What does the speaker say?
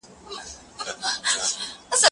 زه به سبا سندري واورم؟